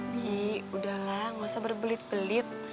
bi udahlah nggak usah berbelit belit